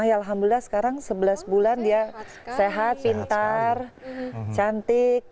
alhamdulillah sekarang sebelas bulan dia sehat pintar cantik